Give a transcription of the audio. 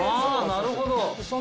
あなるほど。